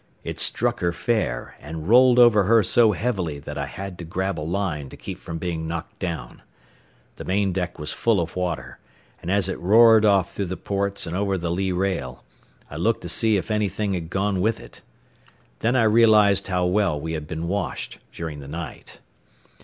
It struck her fair and rolled over her so heavily that I had to grab a line to keep from being knocked down. The main deck was full of water, and as it roared off through the ports and over the lee rail, I looked to see if anything had gone with it. Then I realized how well we had been washed during the night.